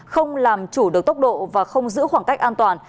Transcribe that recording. không làm chủ được tốc độ và không giữ khoảng cách an toàn